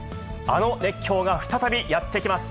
あの熱狂が再びやって来ます。